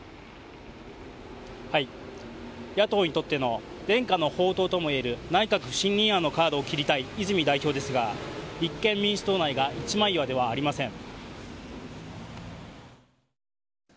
野党にとっての伝家の宝刀ともいえる内閣不信任案のカードを切りたい泉代表ですが立憲民主党内が一枚岩ではありません。